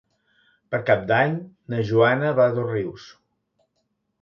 Per Cap d'Any na Joana va a Dosrius.